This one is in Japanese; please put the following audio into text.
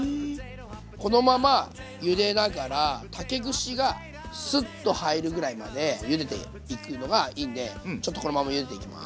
このままゆでながら竹串がスッと入るぐらいまでゆでていくのがいいんでちょっとこのままゆでていきます。